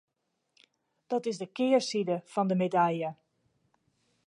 Dat is de kearside fan de medalje.